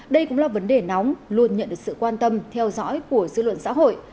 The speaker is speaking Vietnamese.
đây cũng là vấn đề nóng luôn nhận được sự quan tâm theo dõi của dư luận xã hội